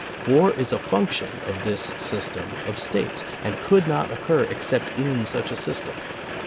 War is a function of this system of States, and could not occur except in such a system.